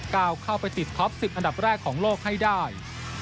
ก้าวเข้าไปติดท็อปศึกอันดับแรกของโลกให้ได้